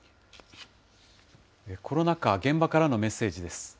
コロナ禍、現場からのメッセージです。